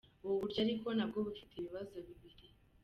Ubu buryo ariko nabwo bufite ibibazo bibiri.